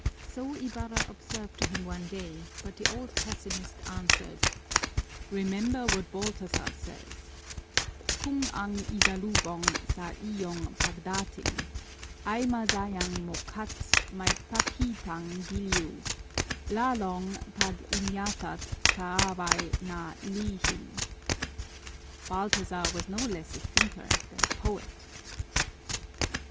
So Ibarra observed to him one day, but the old pessimist answered: "Remember what Baltazar says: Kung ang isalúbong sa iyong pagdating Ay masayang maukha't may pakitang giliw, Lalong pag iñgata't kaaway na lihim Baltazar was no less a thinker than a poet."